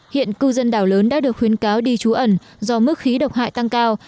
hiện cư dân đảo lớn đã được khuyến cáo đi trú ẩn do mức khí độc hại tăng cao